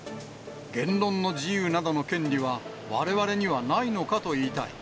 言論の自由などの権利は、われわれにはないのかと言いたい。